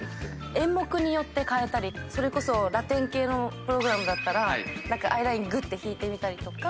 それこそラテン系のプログラムだったらアイラインぐって引いてみたりとか。